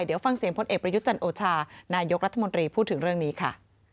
เดี๋ยวฟังเสียงพลเอกประยุทธ์จันโอชานายกรัฐมนตรีพูดถึงเรื่องนี้ค่ะ